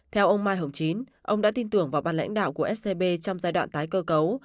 theo ông mai hồng chín ông đã tin tưởng vào ban lãnh đạo của scb trong giai đoạn tái cơ cấu